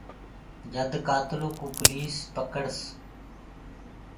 جد ڪآتلو ڪوُ پوليس پڪڙس۔